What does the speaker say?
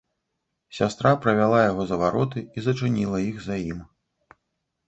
Сястра правяла яго за вароты і зачыніла іх за ім.